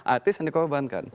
artis yang dikorbankan